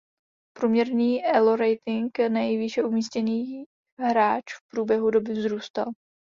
Průměrný Elo rating nejvýše umístěných hráč v průběhu doby vzrůstal.